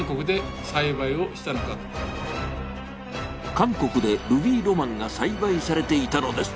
韓国でルビーロマンが栽培されていたのです。